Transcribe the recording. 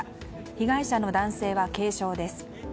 被害者の男性は軽傷です。